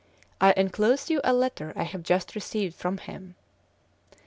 I enclose you a letter I have just received from him."